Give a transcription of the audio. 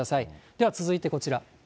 では続いてこちら。